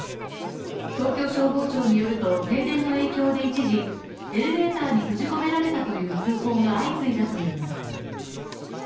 東京消防庁によると、停電の影響で一時エレベーターに閉じ込められたという通報が相次いだといいます。